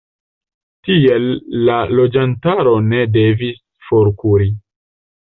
Tiel la loĝantaro ne devis forkuri.